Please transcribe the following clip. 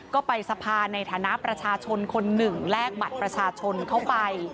ก็ไปสภาในฐานะประชาชนคนหนึ่งแลกบัตรประชาชนเข้าไป